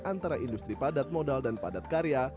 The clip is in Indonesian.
antara industri padat modal dan padat karya